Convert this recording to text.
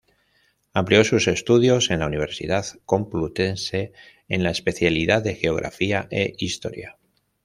Amplió sus estudios en la Universidad Complutense, en la especialidad de Geografía e Historia.